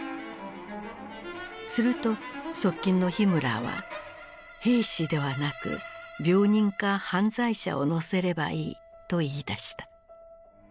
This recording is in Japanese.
すると側近のヒムラーは「兵士ではなく病人か犯罪者を乗せればいい」と言いだした。